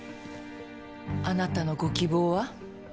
あなたのご希望は？